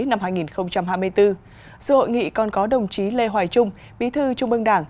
năm hai nghìn hai mươi bốn sự hội nghị còn có đồng chí lê hoài trung bí thư trung mương đảng